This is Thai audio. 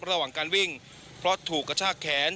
ระหว่างการวิ่งเพราะถูกกระชากแขน